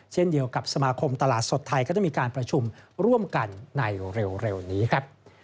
เช่นเดียวกับสมาคมตลาดสดไทยก็จะมีการประชุมร่วมกันในเร็วนี้ครับ